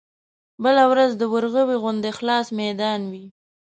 بله ورځ د ورغوي غوندې خلاص ميدان وي.